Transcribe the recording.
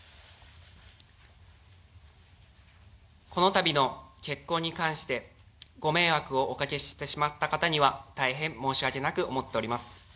このたびの結婚に関してご迷惑をおかけしてしまった方には大変申し訳なく思っております。